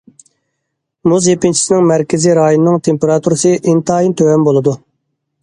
مۇز يېپىنچىسىنىڭ مەركىزىي رايونىنىڭ تېمپېراتۇرىسى ئىنتايىن تۆۋەن بولىدۇ.